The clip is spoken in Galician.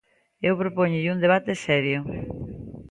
Eu propóñolle un debate serio.